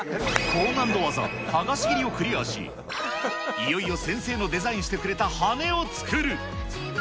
高難度技、剥がし切りをクリアし、いよいよ先生のデザインしてくれた羽根を作る。